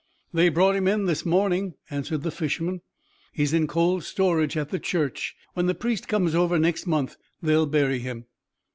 "They brought him in this morning," answered the fisherman. "He's in cold storage at the church. When the priest comes over next month they'll bury him."